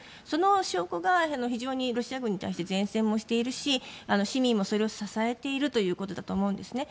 その証拠が非常にロシア軍に対して善戦もしているし市民もそれを支えていることだと思います。